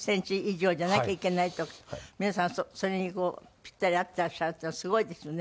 皆さんはそれにこうピッタリ合ってらっしゃるっていうのはすごいですよね。